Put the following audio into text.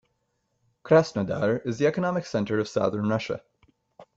Krasnodar is the economic center of southern Russia.